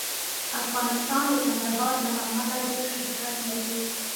افغانستان د کندهار له امله ډېر شهرت لري.